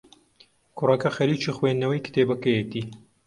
کوڕەکە خەریکی خوێندنەوەی کتێبەکەیەتی.